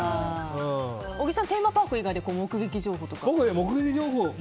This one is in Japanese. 小木さんはテーマパーク以外で目撃情報とかは？